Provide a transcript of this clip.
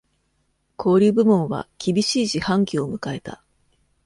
小売部門は厳しい四半期を迎えた。